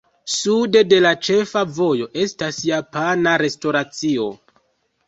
Sude de la ĉefa vojo estas japana restoracio.